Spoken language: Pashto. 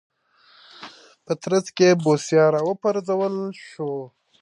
په ترڅ کې یې بوسیا راوپرځول شو.